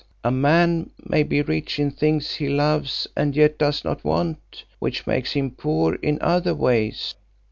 A man may be rich in things he loves and yet does not want, which makes him poor in other ways."